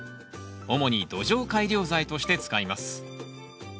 主に土壌改良材として使います。